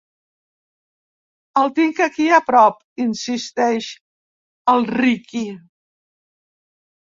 El tinc aquí a prop —insisteix el Riqui—.